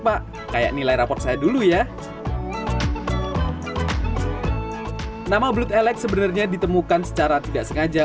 pak kayak nilai rapor saya dulu ya nama belut elek sebenarnya ditemukan secara tidak sengaja